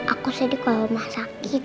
aku sedih kalau rumah sakit